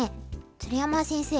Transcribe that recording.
鶴山先生